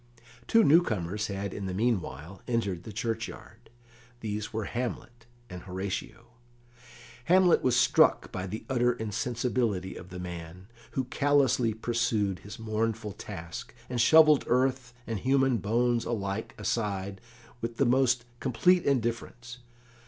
Two newcomers had in the meanwhile entered the churchyard. These were Hamlet and Horatio. Hamlet was struck by the utter insensibility of the man, who callously pursued his mournful task, and shovelled earth and human bones alike aside with the most complete indifference.